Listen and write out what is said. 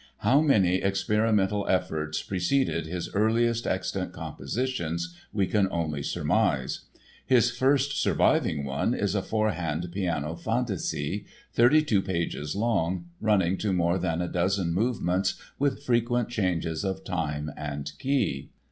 How many experimental efforts preceded his earliest extant compositions we can only surmise. His first surviving one is a four hand piano Fantasie, 32 pages long, running to more than a dozen movements with frequent changes of time and key.